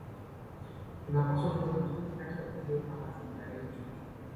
Tunapaswa tuwe makini katika kujenga mazingira yetu